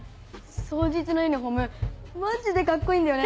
早実のユニホームマジでカッコいいんだよね。